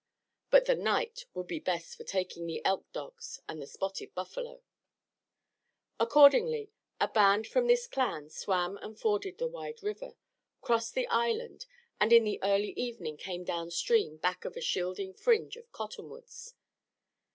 But the night would be best for taking the elk dogs and the spotted buffalo. Accordingly a band from this clan swam and forded the wide river, crossed the island, and in the early evening came downstream back of a shielding fringe of cottonwoods.